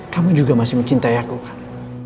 kamu juga masih mencintai aku kan